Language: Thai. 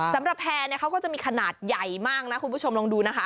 สำหรับแพร่เนี่ยเขาก็จะมีขนาดใหญ่มากนะคุณผู้ชมลองดูนะคะ